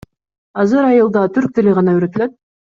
Азыр айылда түрк тили гана үйрөтүлөт.